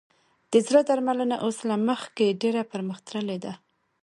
د زړه درملنه اوس له مخکې ډېره پرمختللې ده.